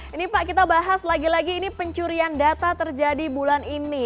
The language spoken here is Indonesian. ini pak kita bahas lagi lagi ini pencurian data terjadi bulan ini